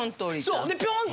そう！